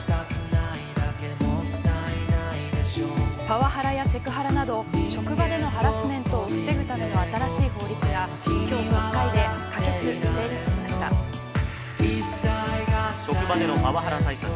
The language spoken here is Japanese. パワハラやセクハラなど職場でのハラスメントを防ぐための新しい法律が今日国会で可決成立しました職場でのパワハラ対策